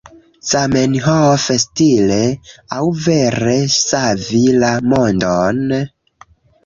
Zamenhof-stile? aŭ vere savi la mondon?